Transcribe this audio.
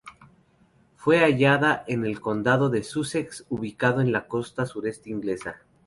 Fue hallada en el condado de Sussex, ubicado en la costa sureste inglesa.